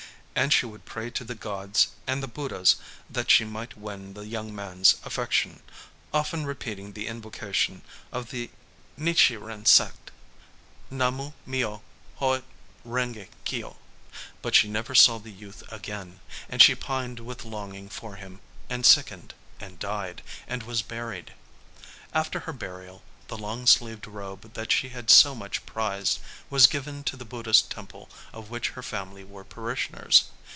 And she would pray to the gods and the Buddhas that she might win the young man's affection,—often repeating the invocation of the Nichiren sect: Namu myō hō rengé kyō! But she never saw the youth again; and she pined with longing for him, and sickened, and died, and was buried. After her burial, the long sleeved robe that she had so much prized was given to the Buddhist temple of which her family were parishioners.